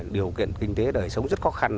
điều kiện kinh tế đời sống rất khó khăn